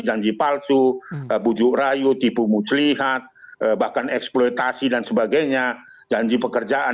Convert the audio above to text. janji palsu bujuk rayu tipu muslihat bahkan eksploitasi dan sebagainya janji pekerjaan